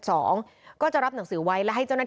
ทางคุณชัยธวัดก็บอกว่าการยื่นเรื่องแก้ไขมาตรวจสองเจน